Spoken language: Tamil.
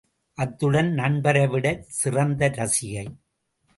அத்துடன் நண்பரைவிடச் சிறந்த ரசிகை.